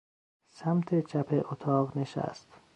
سمت چپ اتاق نشست.